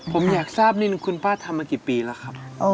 ผมอยากทราบนิดนึงคุณป้าทำมากี่ปีแล้วครับ